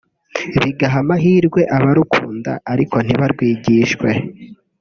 bigaha n’amahirwe abarukunda ariko ntibarwigishwe